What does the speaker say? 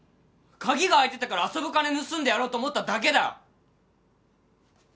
鍵が開いてたから遊ぶ金盗んでやろうと思っただけだよ！